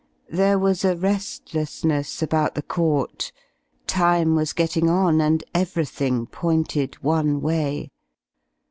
There was a restlessness about the court; time was getting on and everything pointed one way.